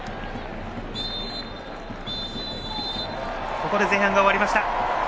ここで前半が終わりました。